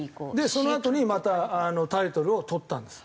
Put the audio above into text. そのあとにまたタイトルをとったんです。